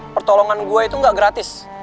pertolongan gue itu gak gratis